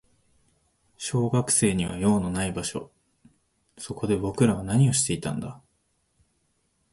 小学生には用のない場所。そこで僕らは何をしていたんだ。